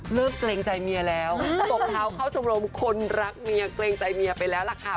เกรงใจเมียแล้วตบเท้าเข้าชมรมคนรักเมียเกรงใจเมียไปแล้วล่ะค่ะ